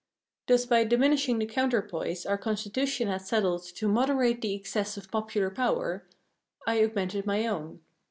Thus by diminishing the counterpoise our Constitution had settled to moderate the excess of popular power, I augmented my own.